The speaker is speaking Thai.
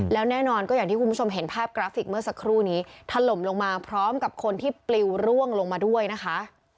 แล้วแน่นอนก็อย่างที่คุณผู้ชมเห็นภาพกราฟิกเมื่อสักครู่นี้ถล่มลงมาพร้อมกับคนที่ปลิวร่วงลงมาด้วยนะคะ